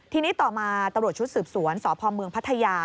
ทีนี้ต่อมาตำรวจชุดสืบสวนสพเมืองพัทยา